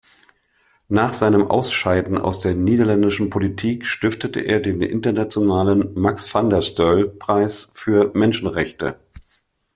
Nach seinem Ausscheiden aus der niederländischen Politik stiftete er den Internationalen Max-van-der-Stoel-Preis für Menschenrechte.